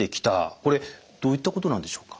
これどういったことなんでしょうか？